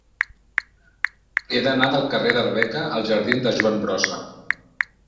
He d'anar del carrer d'Arbeca als jardins de Joan Brossa.